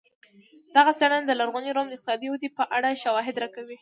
دغه څېړنه د لرغوني روم د اقتصادي ودې په اړه شواهد راکوي